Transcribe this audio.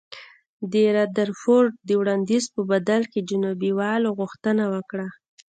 د رادرفورډ د وړاندیز په بدل کې جنوبي والو غوښتنه وکړه.